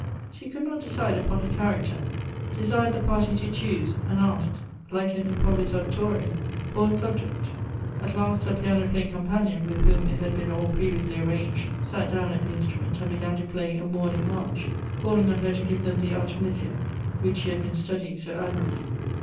She could not decide upon her character, desired the party to choose, and asked, like an improvisatore, for a subject. At last her piano playing companion, with whom it had been all previously arranged, sat down at the instrument, and began to play a mourning march, calling on her to give them the Artemisia which she had been studying so admirably.